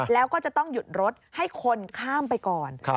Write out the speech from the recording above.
แล้วก็จะต้องหยุดรถให้คนข้ามไปก่อน